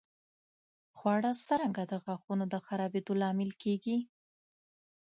خواړه څرنګه د غاښونو د خرابېدو لامل کېږي؟